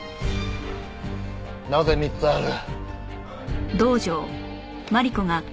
なぜ３つある？